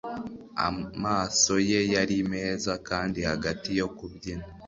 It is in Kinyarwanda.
amaso ye yari meza, kandi 'hagati yo kubyina